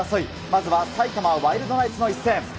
まずは埼玉ワイルドナイツの一戦。